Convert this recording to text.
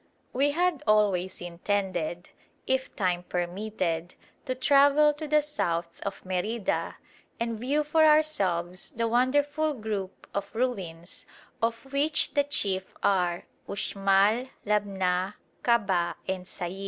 We had always intended, if time permitted, to travel to the south of Merida and view for ourselves the wonderful group of ruins of which the chief are Uxmal, Labna, Kabah, and Sayil.